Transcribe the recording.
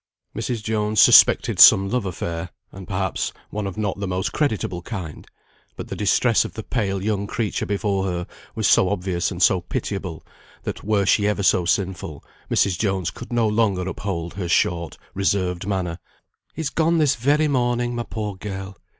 Mrs. Jones suspected some love affair, and, perhaps, one of not the most creditable kind; but the distress of the pale young creature before her was so obvious and so pitiable, that were she ever so sinful, Mrs. Jones could no longer uphold her short, reserved manner. "He's gone this very morning, my poor girl.